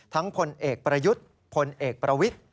พลเอกประยุทธ์พลเอกประวิทธิ์